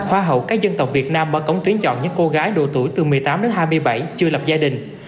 hoa hậu các dân tộc việt nam mở cổng tuyến chọn những cô gái độ tuổi từ một mươi tám đến hai mươi bảy chưa lập gia đình